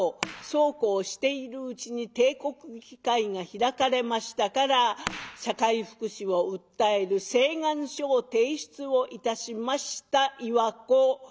そうこうしているうちに帝国議会が開かれましたから社会福祉を訴える請願書を提出をいたしました岩子。